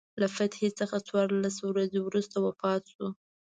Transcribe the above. له فتحې څخه څوارلس ورځې وروسته وفات شو.